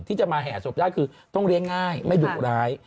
ที่จะมาแห่ศพได้คือต้องเลี้ยงง่ายไม่ดุร้าย